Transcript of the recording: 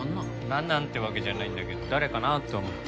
なんなん？ってわけじゃないんだけど誰かなって思って。